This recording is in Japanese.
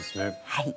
はい。